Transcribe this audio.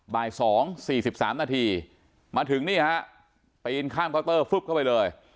บ่ายสองสี่สิบสามนาทีมาถึงนี่ฮะไปอินข้างก็เตอร์ฟลึกเข้าไปเลย